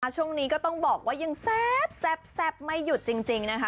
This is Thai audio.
ช่วงนี้ก็ต้องบอกว่ายังแซ่บไม่หยุดจริงนะคะ